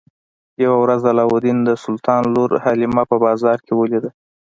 یوه ورځ علاوالدین د سلطان لور حلیمه په بازار کې ولیده.